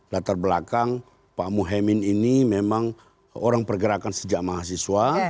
latar belakang pak muhyemin ini memang orang pergerakan sejak mahasiswa